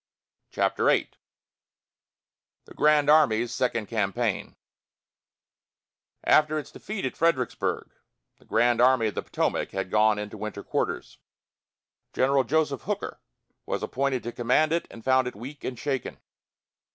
CHAPTER VIII THE "GRAND ARMY'S" SECOND CAMPAIGN After its defeat at Fredericksburg, the Grand Army of the Potomac had gone into winter quarters. General Joseph Hooker was appointed to command it and found it weak and shaken.